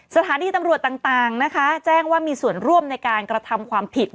สถานีตำรวจต่างนะคะแจ้งว่ามีส่วนร่วมในการกระทำความผิด